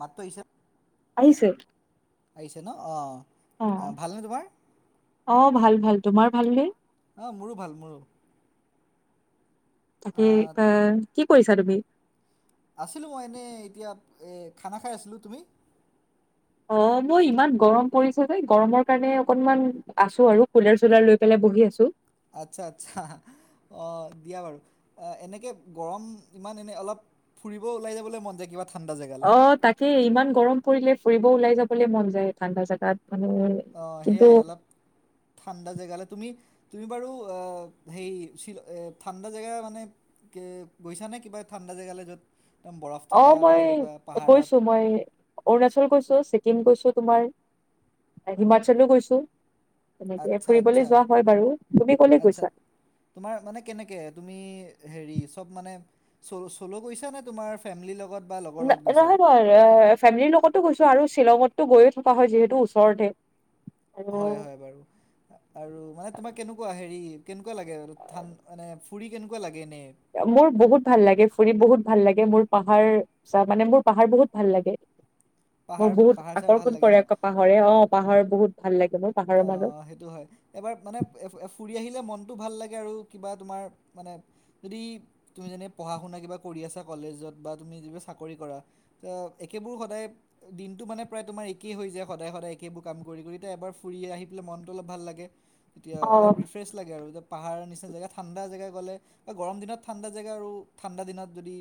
মাতটো আহিছে। আহিছে। আহিছে ন, অঁ ভালনে তোমাৰ? অঁ ভাল ভাল, তোমাৰ ভালনে? অঁ' মোৰো ভাল মোৰো। তাকে, এ আহ, কি কৰিছা তুমি? আছিলোঁ মই এনেই এতিয়া এই খানা খাই আছিলোঁ তুমি। অ' মোৰ ইমান গৰম পৰিছ যে, গৰমৰ কাৰণে অকনমান আছো আৰু কুলাৰ চুলাৰ লৈ পেলাই বহি আছো। আৎচ্ছা আৎচ্ছা। অঁ দিয়া বাৰু, এনেকে গৰম ইমান এনেই অলপ- ফুৰিব ওলাই যাবলৈ মন যায় কিবাত- অঁ' তাকেই, ইমান গৰম পৰিলে ফুৰিব ওলাই যাবলে মন যায় ঠাণ্ডা জাগাত মানে। অঁ কিন্তু সেয়াই অলপ- ঠাণ্ডা জেগালে। তুমি তুমি বাৰু অ সেই শ্বিল ঠাণ্ডা জেগা মানে- কে গৈছা নে কিবা ঠাণ্ডা জেগালে। য'ত- একদম বৰফ থকা অঁ বা মই এনেকুৱা পাহাৰত গৈছো মই। অৰুণাচল গৈছোঁ, ছিকিম গৈছোঁ তোমাৰ হিমাচলো গৈছোঁ। তেনেকে আচ্ছা ফুৰিবলে আচ্ছা যোৱা হয় বাৰু, তুমি কলৈ আচ্ছা গৈছা? তোমাৰ মানে কেনেকে তুমি হেৰি চব মানে চল চলৌ গৈছা নে তোমাৰ- ফেমিলিৰ লগত বা লগ- নহয় নহয়, ফেমিলিৰ লগতো গৈছো আৰু শ্বিলঙচতো গৈয়ে থকা হয় যিহেতু ওচৰতে। আৰু হয় হয় বাৰু। আৰু মানে তোমাৰ কেনেকুৱা হেৰি কেনেকুৱা লাগে ধান মানে ফুৰি কেনেকুৱা লাগে এনেই? মোৰ বহুত ভাল লাগে ফুৰি বহুত ভাল লাগে, মোৰ পাহাৰ- চা মানে মোৰ পাহাৰ বহুত ভাল লাগে, মোৰ পাহাৰ বহুত পাহাৰ চাহাৰ ভাল আকৰ্ষণ লাগে কৰে ন আক পা- হৰে, অঁ পাহাৰ বহুত ভাল লাগে মোক। অ সেইটো সেইটো হয় এবাৰ মানে ফুৰি আহিলে মনটো ভাল লাগে আৰু কিবা তোমাৰ মানে যদি তুমি যেনে পঢ়া শুনা কিবা কৰি আছা কলেজত বা তুমি যেনিবা চাকৰি কৰা তো একেবোৰ সদায় দিনটো মানে প্ৰায় তোমাৰ একেই হৈ যায় সদায় সদায় একেইবোৰ কাম কৰি কৰি ত এবাৰ ফুৰিয়ে আহি পেলাই মনটো অলপ ভাল লাগে তেতিয়া অ অলপ ফ্ৰেছ লাগে আৰু য'ত পাহাৰ নিচিনা জেগা ঠাণ্ডা জেগা গ'লে গৰম দিনত ঠাণ্ডা জেগা আৰু ঠাণ্ডা দিনত যদি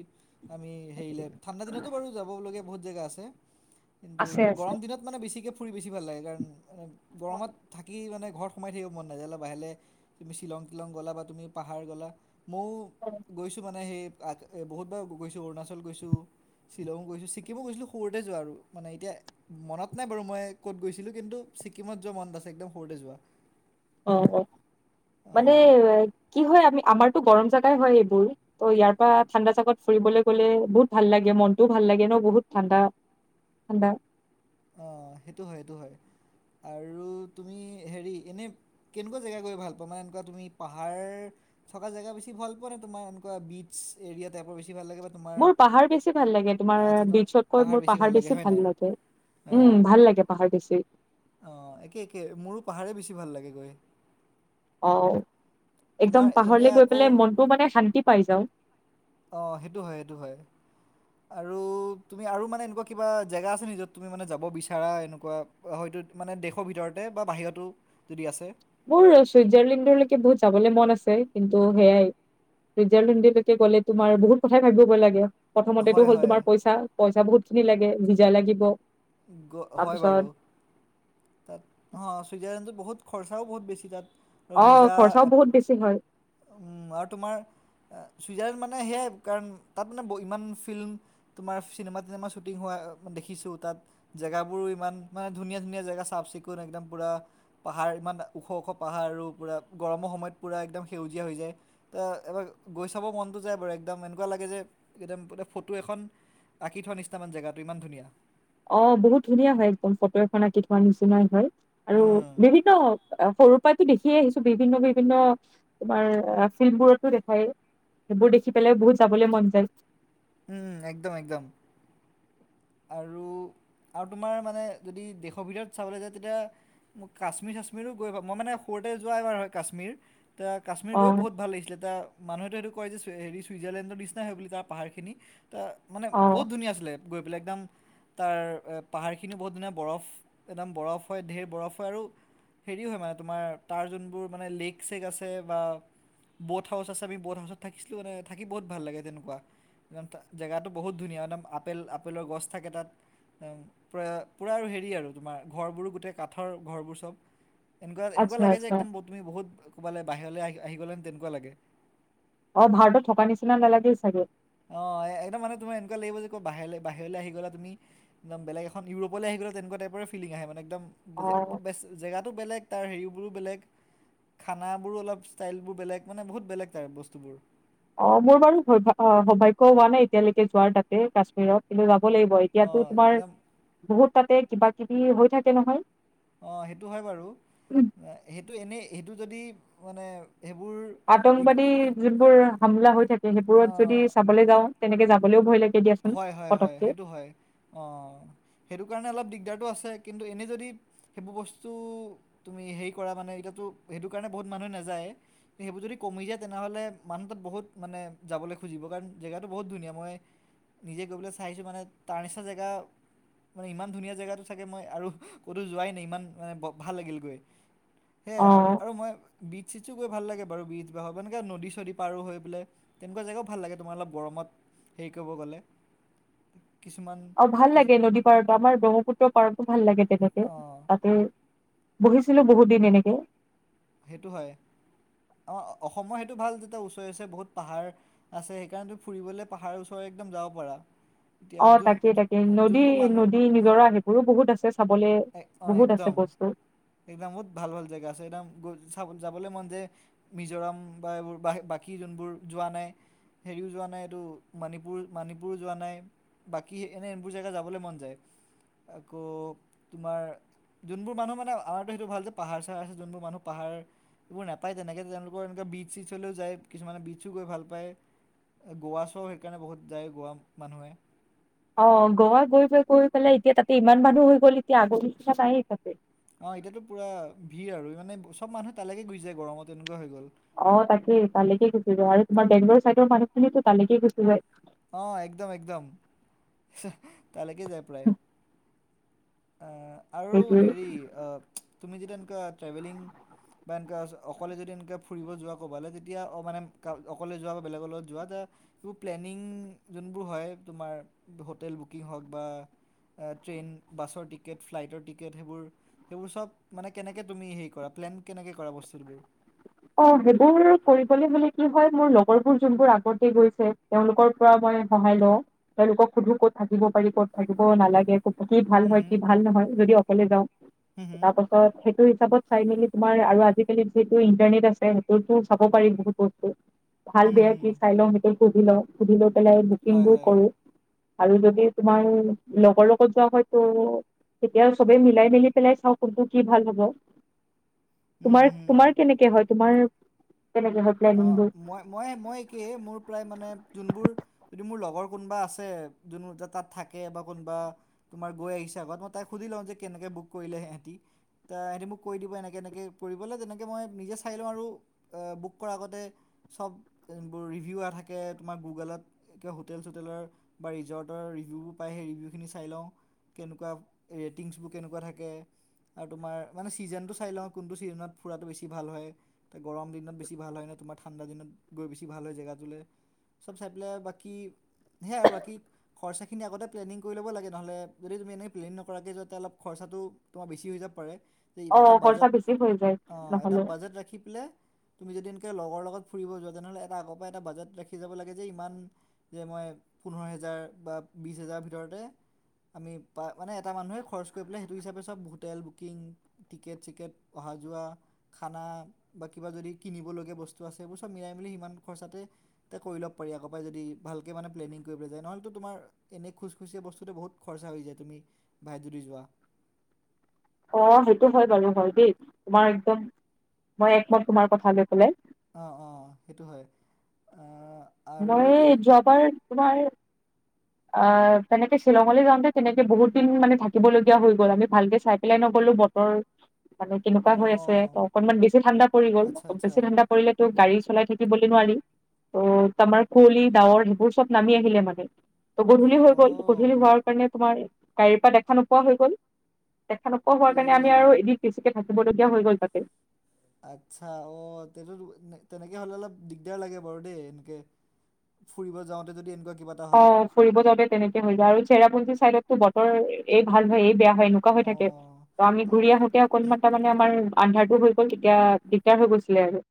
আমি হেৰি ঠাণ্ডা দিনতো বাৰু যাবলগীয়া বহুত জেগা আছে কিন্তু আছে আছে গৰম দিনত মানে বেছিকৈ ফুৰি বেছি ভাল লাগে কাৰণ অ গৰমত থাকি মানে ঘৰত সোমাই থাকিব মন নাজযানে বাহিৰলৈ তুমি শ্বিলং তিলং'ল তুমি পাহাৰ গ'লা ময়ো গৈছোঁ মানে সেই বহুতবাৰ গৈছোঁ অৰুণাচল গৈছোঁ শ্বিলঙো গৈছোঁ ছিকিমো গৈছিলো সৰুতে যোৱা আৰু মানে এতিয়া মনত নাই বাৰু মই ক'ত গৈছিলোঁ কিন্তু ছিকিমত যোৱা মন আছে একদম সৰুতে যোৱা। অ অ মানে অ কি হয় আমি আমাৰতো গৰম জোগাই হয় এইবোৰ ত' ইয়াৰ পৰা ঠাণ্ডা জাগাত ফুৰিবলৈ গ'লে বহুত ভাল লাগে মনটোও ভাল লাগে ন বহুত ঠাণ্ডা সে অঁ সেইটো হয় সেইটো হয় আৰু তুমি হেৰি এনেই কেনেকুৱা জেগা গৈ ভাল পাওঁ মানে এনেকুৱা তুমি পাহাৰ থকা জেগা বেছি ভাল পোৱা নে তোমাৰ এনেকুৱা বিচ এৰিয়া টাইপৰ বেছি ভাল লাগে তোমাৰ মোৰ পাহাৰ বেছি ভাল লাগে তোমাৰ আচ্ছা ত বিচতকৈ মোৰ পাহাৰ লাগে বেছি হয় ভাল নাই? লাগে উম ভাল লাগে পাহাৰ বেছি। অঁ একে একে মোৰো পাহাৰে বেছি ভাল লাগেগৈ অ তোমাৰ একদম এনে পাহৰলে গৈ আকৌ পেলাই মনটো মানে শান্তি পাই যাওঁ। অ সেইটো হয় সেইটো হয় আৰু তুমি আৰু মানে এনেকুৱা কিবা জেগা আছে নি য'ত তুমি মানে যাব বিচাৰা এনেকুৱা হয়তো মানে দেশৰ ভিতৰতে বা বাহিৰতো যদি আছে মোৰ চুইজাৰলেণ্ডৰলৈকে বহুত যাবলৈ মন আছে কিন্তু সেইয়াই ৰিজাল্টিলৈকে গ'লে তোমাৰ বহুত কথা ভাবিবই লাগে প্ৰথমতেতটো হয়, হ'ল হয়। তোমাৰ পইচা পইচা বহুত খিনি লাগে ভিজা লাগিব। হয় বাৰু তাৰপিছত তাত হঁ ছুইজাৰলেণ্ডত বহুত খৰচাও বহুত বেছি তাত আৰু অ ভিজা খৰচাও এপ বহুত বেছি হয় আৰু তোমাৰ ছুইজাৰলেণ্ড মানে সেয়াই কাৰণ তাত মানে ইমান ফিল্ম তোমাৰ চিনেমা তিনেমা শ্বুটিং হোৱা দেখিছো তাত জেগাবোৰো ইমান মানে ধুনীয়া ধুনীয়া জেগা চাফ চিকুণ একদম পুৰা পাহাৰ ইমান ওখ ওখ পাহাৰ আৰু পূৰা গৰমৰ সময়ত পূৰা একদম সেউজীয়া হৈ যায় এ এবাৰ গৈ চাব মনটো যায় বাৰু একদম এনেকুৱা লাগে যে একদম এ ফটো এখন আঁকি থোৱা নিচনা জেগাটো ইমান ধুনীয়া অ বহুত ধুনীয়া হয় একদম ফটো এখন আঁকি থোৱা নিচিনাই হয় আৰু উম বিভিন্ন সৰু উপাই দেখিয়ে আহিছো বিভিন্ন বিভিন্ন তোমাৰ ফিল্ম বোৰতো দেখাই সেইবোৰ দেখি পেলাই বহুত যাবলৈ মন যায় উম একদম একদম আৰু আৰু তোমাৰ মানে যদি দেশৰ ভিতৰত চাবলৈ যায় তেতিয়া মোক কাশ্মীৰ চাশ্মীৰো গৈ পাম মই মানে সৰুতে যোৱ এবাৰ হয় কাশ্মীৰ। এতিয়া কাশ্মীৰ অ গৈও বহুত ভাল লাগিছিলে তা মানুহেতো এইটো কয় যে হেৰি ছুইজাৰলেণ্ডৰ নিচনা হয় বুলি তাৰ পাহাৰখিনি, ত মানে অ বহুত ধুনীয়া আছিলে। বোলে একদম তাৰ পাহাৰখিনিও বহুত ধুনীয়া বৰফ একদম বৰফ হয় ধেৰ বৰফ হয় আৰু হেৰি হয় মানে তোমাৰ তাৰ যোনবোৰ মানে লেক চেক আছে বা ব'ট হাউছ আমি ব'ট হাউছত থিছিলো মানে থাকি বহুত ভাল লাগে তেনেকুৱা। একম তা জেগাটো বহুত ধুনীয়া একদম আপেল আপেলৰ গছ থাকে তাত। পোৰা পোৰা আৰু হেৰি আৰু তোমাৰ ঘৰবোৰো গোটেই কাঠৰ ঘৰবোৰ চব। এনেকুৱা এনেকুৱা আচ্ছা লাগে যে আচ্ছা একদম তুমি বহুত ক'ৰবালে বাহিৰলে আহি আহি গ'লে তেনেকুৱা লাগে। অ ভাৰতত থকা নিচিনা নালাগেই চাগে? অ একদম মানে তোমাৰ এনেকুৱা লাগিব যে ক বাহিৰলে বাহিৰলে আহি গ'লা তুমি একদম বেলেগ এখন ইউৰোপলৈ আহি গ'লা তেনেকুৱা টাইপৰে ফিলিং আহে মানে অ একদম বেচ জেগাটো বেলেগ তাৰ হেৰিবোৰো বেলেগ। খানাবোৰো অলপ ষ্টাইলবোৰ বেলেগ মানে বহুত বেলেগ তাৰ বস্তুবোৰ। অ মোৰ বাৰু স অ সৌভাগ্য হোৱা নাই এতিয়ালৈকে যোৱাৰ তাতে কাশ্মীৰত কিন্তু যাব লাগিব এ ইয়াতো অঁ তোমাৰ একদম বহুত তাতে কিবা কিবি হৈ থাকে নহয়। অঁ সেইটো হয় বাৰু, সেইটো এনেই সেইটো যদি মানে সেইবোৰ ইগ- আতংকবাদী যোনবোৰ হামলা হৈ থাকে সেইবোৰত যদি অঁ চাবলৈ যাওঁ তেনেকে যাবলৈও ভয় লাগে দিয়াচোন হয় হয় হয় পতককে সেইটো হয় অঁ। সেইটো কাৰণে অলপ দিগদাৰটো আছে কিন্তু এনেই যদি সেইবোৰ বস্তু তুমি হেৰি কৰা মানে এতিয়াতো সেইটো কাৰণে বহুত মানুহে নেযায় সেইবোৰ যদি কমি যায় তেনেহ'লে মানুহ তাত বহুত মানে যাবলৈ খুজিব, কাৰণ জেগাটো বহুত ধুনীয়া মই নিজে গৈ পেলাই চাই আহিছোঁ মানে তাৰ নিচিনা জেগা মানে ইমান ধুনীয়া জেগাটো চাগে মই আৰু ক'তো যোৱাই নাই ইমান মানে ভাল লাগিল গৈ। সেয়াই অ আৰু মই বীচ চীচো গৈ ভাল লাগে বাৰু বীজ বা হব সেনেকে নদী চদী পাৰো হৈ পেলাই তেনেকুৱা জেগাও ভাল লাগে তোমাৰ অলপ গৰমত হেৰি কৰিব গ'লে। কিছুমান অ ভাল কি লাগে নদী পাৰতো আমাৰ ব্ৰহ্মপুত্ৰ পাৰতো ভাল লাগে তেনেকে অঁ তাতে বহিছিলোঁ বহুত দিন এনেকে। সেইটো হয় আমাৰ অসমৰ সেইটো ভাল যেতিয়া ওচৰে ওচৰে বহুত পাহাৰ আছে সেইকাৰণে তু ফুৰিবলে পাহাৰৰ ওচৰ একদম যাব পাৰা। এতিয়া অ যোন তাকেই তাকে নদী যোনবোৰ মানুহ নদী নিজৰা সেইবোৰো বহুত আছে চাবলে এক- অ বহুত একদম আছে বস্তু। একদম বহুত ভাল ভাল জেগা আছে একদম গজ চা যাবলে মন যায়। মিজোৰাম বা এইবোৰ বাকী যোনবোৰ যোৱা নাই। হেৰিও যোৱা নাই এইটো মণিপুৰ মানিপুৰ যোৱা নাই। বাকী এনে এনবোৰ জেগা যাবলৈ মন যায় আকৌ তোমাৰ যোনবোৰ মানুহ মানে আমাৰতো সেইটো ভাল যে পাহাৰ চাহাৰ আছে যোনবোৰ মানুহ পাহাৰ সেইবোৰ নাপায় তেনেকে তেওঁলোকৰ এনেকে বিটচ চীচ হলেও যায় কিছুমানে বিটচো গৈ ভাল পায়। এ গোৱা চোৱাও সেইকাৰণে বহুত যায় গোৱা মানুহে। অ গোৱা গৈ গৈ কৰি পেলাই এতিয়া তাতে ইমান মানুহ হৈ গ'ল এতিয়া আগৰ নিচনা নাই তাতে। অঁ এতিয়াতো পোৰা ভিৰ আৰু মানে চব মানুহে তালেকে গুচি যায় গৰমত এনেকুৱা হৈ গ'ল। অ তাকেই তালেকে গুচি যায় আৰু তোমাৰ বেংলোৰ চাইদৰ মানুহখিনিতো তালেকে গুচি যায়। অ একদম একদম তালেকে যায় প্ৰায়। আ আৰু সেইটোৱে হেৰি অ তুমি যেতিয়া এনেকুৱা ট্ৰেভেলিং বা এনেকুৱা অকলে যদি এনেকৈ ফুৰিব যোৱা ক'বালে তেতিয়া মানে অকলে যোৱা বা বেলেগৰ লগত যোৱা যে- তোৰ প্লেনিং যোনবোৰ হয় তোমাৰ হোটেল বুকিং হওঁক বা- এ ট্ৰেইন বাছৰ টিকেট ফ্লাইটৰ টিকেট সেইবোৰ। সেইবোৰ চব মানে কেনেকৈ তুমি হেৰি কৰা প্লেন কেনেকে কৰা বস্তুবোৰ। অঁ সেইবোৰ কৰিবলৈ হ'লে কি হয় মোৰ লগৰবোৰ যোনবোৰ আগতে গৈছে। তেওঁলোকৰ পৰা মই সহায় লওঁ তেওঁলোকক সুধো কত থাকিব পাৰি ক'ত থাকিব নালাগে। কি ভাল হুম হয়ঁ হুম কি ভাল নহয় যদি অকলে যাওঁ। হুম তাৰ হুম পাছত সেইটো হিচাপত চাই মেলি তুমাৰ আৰু আজিকালি যিহেতু- টেনিট আছে সেইটোতো চাব পাৰি বহুত বস্তু ভাল হুম বেয়া হুম কি- চাই লওঁ সেইটো সুধি লওঁ সুধি লৈ পেলাই বুকিং হয় বোৰ হয় কৰো। আৰু যদি তোমাৰ লগৰ লগত যোৱা হয়তো- তেতিয়া চবে মিলাই মেলি পেলাই চাওঁ কোনটো কি ভাল হ'ব। উম তোমাৰ হুম তোমাৰ কেনেকে হয়ঁ তোমাৰ কেনেকে হয়ঁ। অঁ মই মই মই কি মোৰ প্ৰায় মানে যোনবোৰ- যদি মোৰ লগৰ কোনোবা আছে যোনো এ যে তাত থাকে বা কোনোবা তোমাৰ গৈ আহিছে আগত মই তাই সুধি লওঁ যে কেনেকে বুক কৰিলে সেহঁতি। তাই মোক কৈ দিব এনেকৈ এনেকৈ কৰিববলৈ তেনেকৈ মই নিজে চাই লওঁ আৰু বুক- কৰা আগতে চব বোৰ ৰিভিউ নাথাকে তোমাৰ গুগলত। কিবা হোটেল চোটেলৰ বা ৰিজৰ্টৰ ৰিভিউবোৰ পায় সেই ৰিভিউখিনি চাই লওঁ। কেনেকুৱা ৰেটিংছবোৰ কেনেকুৱা থাকে। আৰু তোমাৰ মানে ছিজনটো চাই লওঁ কোনটো ছিজনত ফুৰাটো বেছি ভাল হয় গৰম দিনত বেছি - কি ভাল হয় তোমাৰ ঠাণ্ডা দিনত গৈ বেছি ভাল হয় জেগাটোলে চব চাই পেলাই বাকী- সে আৰু বাকী- খৰচাখিনি আগতে প্লেনিং ল'ব লাগে নহ'লে যদি তুমি এনে প্লেনি নকৰাকৈ যাতে অলপ খৰচাটো- তোমাৰ বেছি হৈ যাব পাৰে যে অ এটা খৰচা বাজেট বেছি হৈ যায় অঁ এটা নহ'লে বাজেট ৰাখি পেলে- তুমি যদি এনেকৈ লগৰ লগত ফুৰিব যোৱা তেনেহ'লে এটা আগৰ পৰাই এটা বাজেট ৰাখি যাব লাগে যে ইমান- যে মই পোন্ধৰ হেজাৰ বা বিছ হেজাৰৰ ভিতৰতে- আমি পা মানে এটা মানুহে খৰচ কৰি পেলাই সেইটো হিচাপে চব হোটেল বুকিং। টিকেট চিকেট অহা যোৱা খানা বা কিবা যদি। কিনিবলগীয়া বস্তু আছে এইবোৰ চব মিলাই মেলি সিমান খৰচাতে- তা কৰি ল' পাৰি আকৌপাই যদি ভালকৈ মানে প্লেনিং কৰিব যায় নহ'লেতো তোমাৰ- এনেই খোজ খুচিয়া বস্তুটো বহুত খৰচা হৈ যায় তুমি ভাই যদি যোৱা। অঁ সেইটো হয় বাৰু হয় দেই তোমাৰ একদম মই একমত তোমাৰ কথা লৈ পেলাই। অঁ অঁ সেইটো হয়ঁ অ। মই এই যোৱাবাৰ তোমাৰ- আ তেনেকে শ্বিলঙলৈ যাওঁতে তেনেকে বহুত দিন মানে থাকিবলগীয়া হৈ গ'ল আমি ভালকে চাই পেলাই নগলো বত- বতৰ মানে কেনেকুৱা হৈ আছে অঁ অকনমান বেছি ঠাণ্ডা পৰি গ'ল আচ্ছা আচ্ছা বেছি ঠাণ্ডা। কৰিলে তো গাড়ী চলাই থাকিবলৈ নোৱাৰি ও তমাৰ কুঁৱলি ডাৱৰ সেইবোৰ চব নামি আহিলে মাডে। গধূলি হৈ গল গধূলি অঁ হোৱাৰ কাৰণে তোমাৰ গাড়ীৰ পৰা দেখা নোপোৱা হৈ গ'ল। দেখা নোপোৱা হোৱাৰ কাৰণে আমি ই আৰু এদিন বেচিকে থাকিবলগীয়া হৈ গ'ল তাতে। আচ্ছা অঁ তে তেনেকে হ'লে অলপ দিগদাৰ লাগে বাৰু দেই এনেকে। ফুৰিব যাওঁতে যদি এনেকুৱা কিবা- এটা হয় অঁ ফুৰিব যাওঁ তেনেকে হৈ যায় আৰু চেৰাপুঞ্জী চাইডতো বতৰ- এই ভাল হয় এই বেয়া হয় এনেকুৱা হৈ অ থাকে আমি ঘূৰি আহোতে অকণমান তাৰ মানে আমাৰ- আন্ধাৰটো হৈ গ'ল তেতিয়া দিগদাৰ হৈ গৈছিলে আৰু।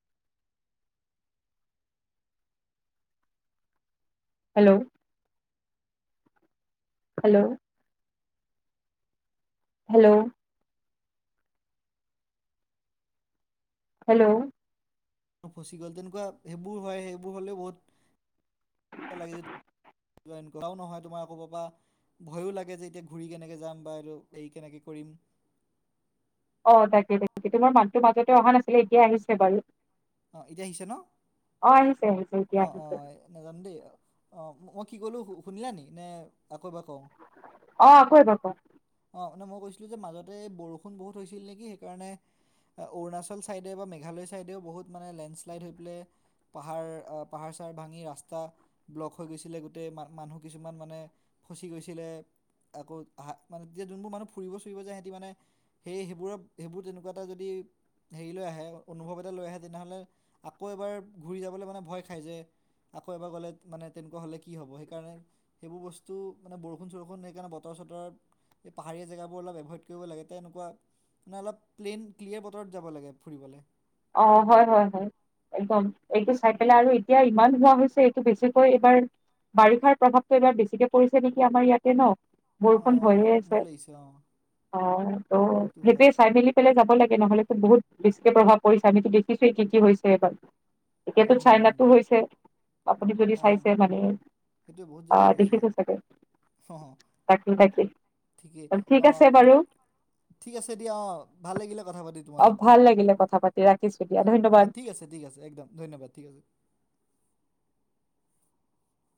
হেল্ল' হেল্ল' হেল্ল' হেল্ল' ফচি গ'ল তেনেকুৱা সেইবোৰ হয় সেইবোৰ হ'লেও বহুত লাগে যে- এনেকুৱাও নহয় তোমাৰ আকৌ পাবা- ভয়ো লাগে যে এতিয়া ঘূৰি কেনেকে যাম বা এইটো এই কেনেকে কৰিম। অ তাকে তাকে কেতিয়াবা মাতটো মাজতে অহা নাছিলে এতিয়া আহিছে বাৰু। অ এতিয়া আহিছে ন? অ আহিছে আহিছে। এতিয়া অ অ আহিছে এ নাজানো দেই অ মই কি কলো শুনিলা নি? নে আকৌ এবাৰ কওঁ? অঁ আকৌ এবাৰ কওক? অঁ ন মই কৈছিলোঁ যে মাজতে এই বৰষুণ বহুত হৈছিল নেকি সেইকাৰণে- অৰুণাচল ছাইডে বা মেঘালয় ছাইডেও বহুত মানে লেণ্ডশ্লাইড হৈ পেলাই পাহাৰ- পাহাৰ চাহাৰ ভাঙি ৰাস্তা ব্লক হৈ গৈছিলে গোটেই মা মানুহ কিছুমান মানে- খচি গৈছিলে, আকৌ হা মানে তেতিয়া যোনবোৰ মানুহ ফুৰিব চুৰিব যায় সেতি মানে- সেই সেইবোৰত সেইবোৰ তেনেকুৱা এটা যদি- হেৰি লৈ আহে, অনুভৱ এটা লৈ আহে তেনেহ'লে আকৌ এবাৰ ঘূৰি যাবলৈ মানে ভয়- খাই যে আকৌ এবাৰ গ'লে মানে তেনেকুৱা হ'লে কি হ'ব সেইকাৰণে- সেইবোৰ বস্তু, মানে বৰষুণ চৰষুণ সেইকাৰণে বতৰ চতৰ- এই পাহাৰীয়া জেগাবোৰ অলপ এভইড কৰিব লাগে। তেনেকুৱা- মানে অলপ প্লেন ক্লিয়াৰ বতৰত যাব লাগে ফুৰিবলে। অ হয় হয় হয়। একদম এইটো চাই পেলাই আৰু এতিয়া ইমান হোৱা হৈছে এইটো বেছিকৈ এইবাৰ- বাৰিষাৰ প্ৰভাৱতটো এবাৰ বেছিকে পৰিছে নেকি আমাৰ ইয়াতে ন? বৰষুণ অঁ হৈয়ে মোৰ আছে। লাগিছে অঁ অ তো সেইটো হয় সেইটোৱে চাই মেলি- যাব লাগে নহ'লে বহুত বেছিকে প্ৰভাৱ পৰিছে আমিতো দেখিছো এ কি কি হৈছে এই বাৰ। এতিয়াতো উম, চাইনাতটো হৈছে, আপুনি যদি অঁ চাইছে মানে। সেইটোৱে বহুত জেগাত হৈছে। অ তাকেই তাকেই। ঠিকেই। অ ঠিক আছে দিয়া অ' ভাল লাগিলে কথা পাতি তোমা- অ' ভাল লাগিলে কথা পাতি। ৰাখিছো দিয়া অ অ ধন্যবাদ ঠিক আছে, ঠিক আছে একদম ধন্যবাদ ঠিক আছে।